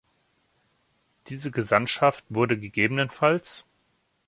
Diese Gesandtschaft wurde ggf.